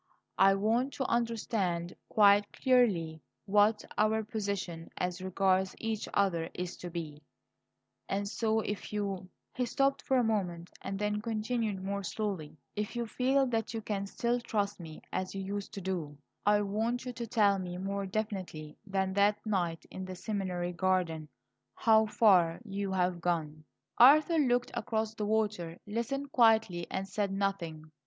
I want to understand quite clearly what our position as regards each other is to be; and so, if you " He stopped for a moment and then continued more slowly: "If you feel that you can still trust me as you used to do, I want you to tell me more definitely than that night in the seminary garden, how far you have gone." Arthur looked out across the water, listened quietly, and said nothing.